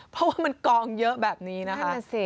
เพราะว่ามันกองเยอะแบบนี้นะคะ